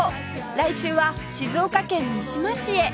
来週は静岡県三島市へ